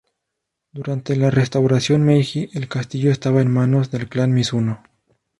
Durante la restauración Meiji el castillo estaba en manos del clan Mizuno.